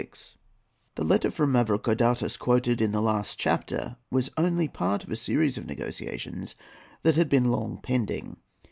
] The letter from Mavrocordatos quoted in the last chapter was only part of a series of negotiations that had been long pending.